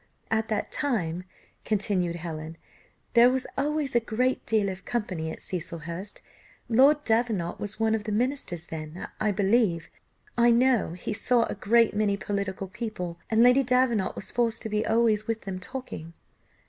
"At that time," continued Helen, "there was always a great deal of company at Cecilhurst. Lord Davenant was one of the ministers then. I believe I know he saw a great many political people, and Lady Davenant was forced to be always with them talking."